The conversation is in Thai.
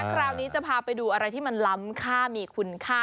คราวนี้จะพาไปดูอะไรที่มันล้ำค่ามีคุณค่า